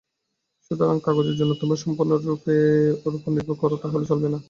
সুতরাং কাগজের জন্য তোমরা সম্পূর্ণরূপে আমার ওপর নির্ভর কর, তাহলে চলবে না।